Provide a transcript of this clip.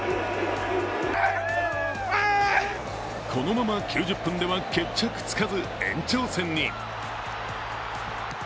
このまま９０分では決着つかず延長戦に。